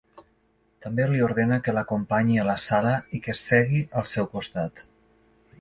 També li ordena que l'acompanyi a la sala i que segui al seu costat.